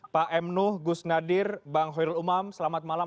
pak m nuh gus nadir bang khoirul umam selamat malam